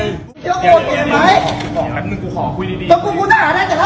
อย่าโกหกสินะ